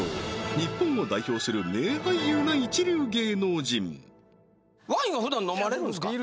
日本を代表する名俳優な一流芸能人ふだん飲まれるんですか？